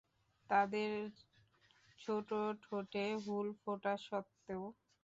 তাদের ছোট ঠোঁটে হুল ফোটা সত্বেও।